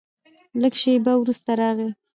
لږ شېبه وروسته راغی.